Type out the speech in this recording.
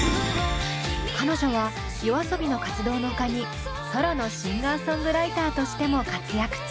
彼女はＹＯＡＳＯＢＩの活動のほかにソロのシンガーソングライターとしても活躍中。